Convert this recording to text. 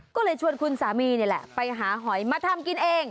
ก็เลยชวนคุณสามีนี่แหละไปหาหอยมาทำกินเอง